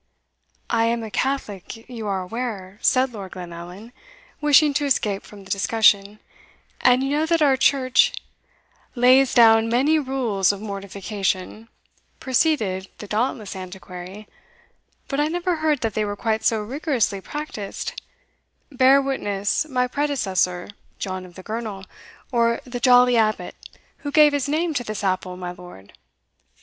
"I am a Catholic, you are aware," said Lord Glenallan, wishing to escape from the discussion, "and you know that our church" "Lays down many rules of mortification," proceeded the dauntless Antiquary; "but I never heard that they were quite so rigorously practised Bear witness my predecessor, John of the Girnel, or the jolly Abbot, who gave his name to this apple, my lord."